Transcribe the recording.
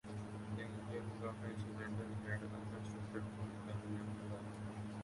The engine block and cylinder head are constructed from Aluminum alloy.